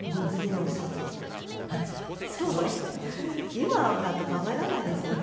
今だと考えられないですよね。